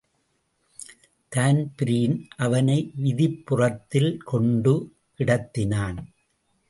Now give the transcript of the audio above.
Dan Breen அவனை விதிப்புறத்தில் கொண்டு கிடத்தினான்.